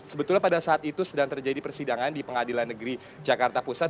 sebetulnya pada saat itu sedang terjadi persidangan di pengadilan negeri jakarta pusat